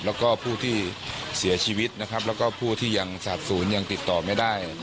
แล้วก็ผู้ที่เสียชีวิตแล้วก็ผู้ที่ยังสาบศูนย์ยังติดต่อไม่ได้